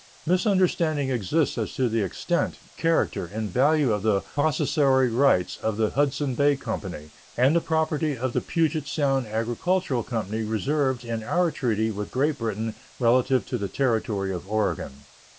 Misunderstanding exists as to the extent, character, and value of the possessory rights of the Hudsons Bay Company and the property of the Pugets Sound Agricultural Company reserved in our treaty with Great Britain relative to the Territory of Oregon.